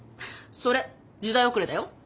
それ時代遅れだよ。